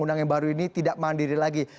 undang yang baru ini tidak mandiri lagi